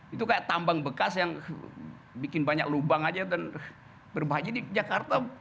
itu kayak tambang bekas yang bikin banyak lubang aja dan berbahaya di jakarta